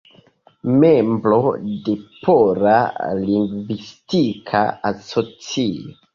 Membro de Pola Lingvistika Asocio.